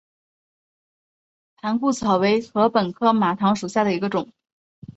盘固草为禾本科马唐属下的一个种。